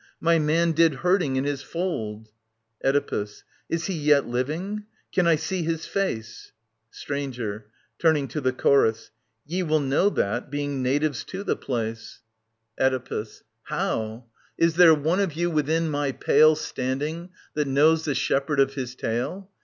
My man did herding in his fold. . t ^ Oedipus. Is he yet living ? Can I see his face ?^^— Stranger. [^Turning to the Chorus, " Ye will know that, being natives to the place. 6i SOPHOCLES vv. 1047 1062 Oedipus. How ?— Is there one of you within my pale Standing, that knows the shepherd of his tale